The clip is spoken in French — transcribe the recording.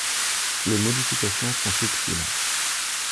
Les modifications sont subtiles.